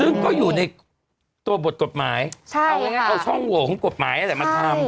ซึ่งก็อยู่ในตัวบทกฎหมายเอาช่องโหวของกฎหมายอะไรมาทำ